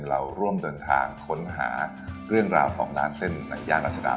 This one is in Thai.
เราร่วมเดินทางค้นหาเรื่องราวของร้านเส้นในย่านรัชดา